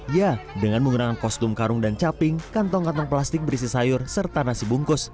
ya dengan menggunakan kostum karung dan caping kantong kantong plastik berisi sayur serta nasi bungkus